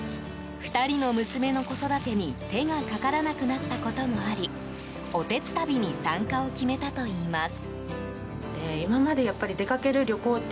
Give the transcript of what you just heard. ２人の娘の子育てに手がかからなくなったこともありおてつたびに参加を決めたといいます。